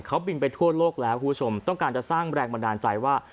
เขาบินไปทั่วโลกแล้วคุณผู้ชมต้องการจะสร้างแรงบันดาลใจว่า